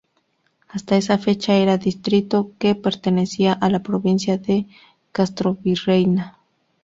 Hasta esa fecha era un distrito que pertenecía a la provincia de Castrovirreyna.